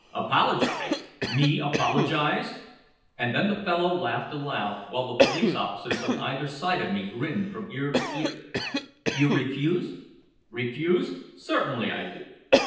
"Apologize! Me apologize!" And the fellow laughed aloud, while the police officers on either side of me grinned from ear to ear. "You refuse?" "Refuse? Certainly I do!"